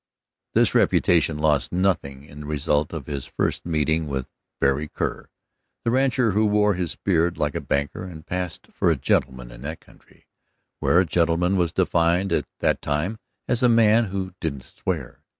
This reputation lost nothing in the result of his first meeting with Berry Kerr, the rancher who wore his beard like a banker and passed for a gentleman in that country, where a gentleman was defined, at that time, as a man who didn't swear.